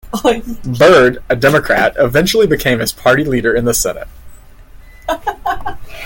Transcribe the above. Byrd, a Democrat, eventually became his party leader in the Senate.